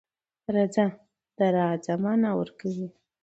رڅه .د راځه معنی ورکوی